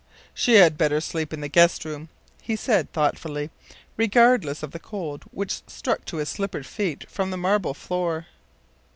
“She had better sleep in the guest room,” he said, thoughtfully, regardless of the cold which struck to his slippered feet from the marble floor.